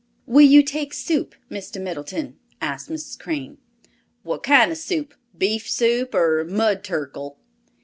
"Will you take soup, Mr. Middleton?" asked Mrs. Crane. "What kind of soup? Beef soup, or mud turkle?"